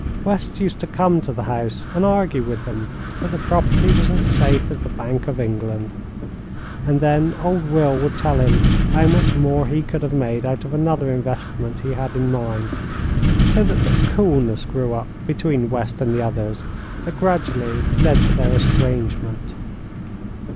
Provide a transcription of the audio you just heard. West used to come to the house and argue with them that the property was safe as the Bank of England, and then old Will would tell him how much more he could have made out of another investment he had in mind; so that a coolness grew up between West and the others that gradually led to their estrangement.